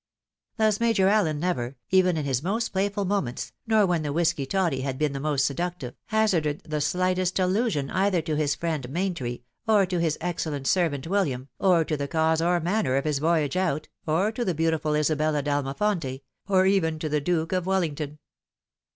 Thus, Major Allen never, even in his most playful moments, nor when the whisky toddy had been the most seductive, hazarded the slightest allusion either to his friend Maintry, or to his excellent servant William, or to the cause or manner of his voyage out, or to the beautiful Isabella d'Almafonte, or even to the Duke of Welhngton.